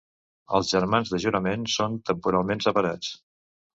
Els germans de jurament són temporalment separats.